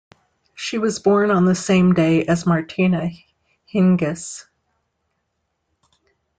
She was born on the same day as Martina Hingis.